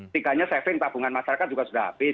tiganya saving tabungan masyarakat juga sudah habis